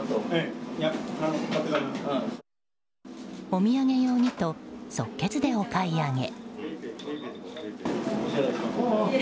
お土産用にと即決でお買い上げ。